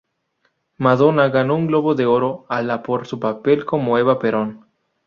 Madonna ganó un Globo de Oro a la por su papel como Eva Perón.